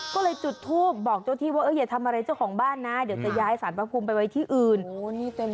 ก็เลยจุดทูปบอกเจ้าที่ว่าอย่าทำอะไรเจ้าของบ้านนะเดี๋ยวจะย้ายสารพระภูมิไปไว้ที่อื่น